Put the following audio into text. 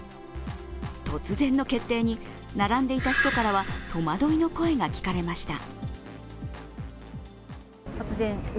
突然の決定に並んでいた人からは戸惑いの声が聞かれました。